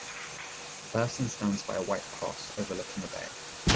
A person stands by a white cross overlooking a bay.